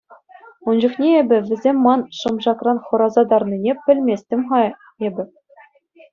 Ун чухне эпӗ вӗсем ман шӑмшакран хӑраса тарнине пӗлместӗм-ха эпӗ.